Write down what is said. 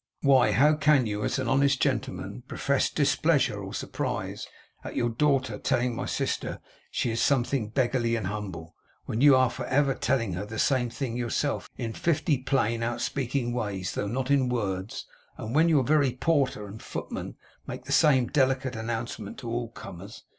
'Why, how can you, as an honest gentleman, profess displeasure or surprise at your daughter telling my sister she is something beggarly and humble, when you are for ever telling her the same thing yourself in fifty plain, outspeaking ways, though not in words; and when your very porter and footman make the same delicate announcement to all comers?